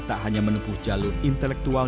tak hanya menempuh jalur intelektual